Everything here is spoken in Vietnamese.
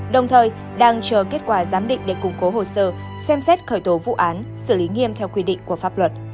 đồng thời đang chờ kết quả giám định để củng cố hồ sơ xem xét khởi tố vụ án xử lý nghiêm theo quy định của pháp luật